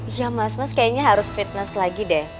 iya mas mas kayaknya harus fitness lagi deh